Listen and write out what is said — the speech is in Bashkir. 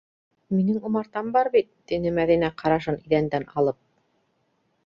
- Минең умартам бар бит, - гине Мәҙинә ҡарашын иҙәндән алып.